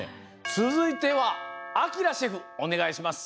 つづいてはあきらシェフおねがいします。